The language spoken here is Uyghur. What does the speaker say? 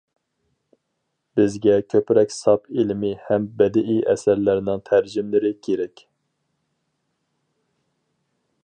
بىزگە كۆپرەك ساپ ئىلمىي ھەم بەدىئىي ئەسەرلەرنىڭ تەرجىمىلىرى كېرەك.